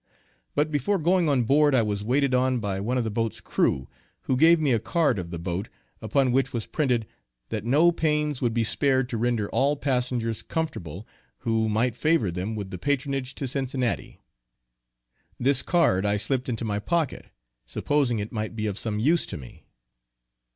But before going on board, I was waited on by one of the boat's crew, who gave me a card of the boat, upon which was printed, that no pains would be spared to render all passengers comfortable who might favor them with their patronage to Cincinnati. This card I slipped into my pocket, supposing it might be of some use to me.